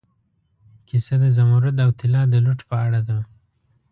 کیسه د زمرد او طلا د لوټ په اړه ده.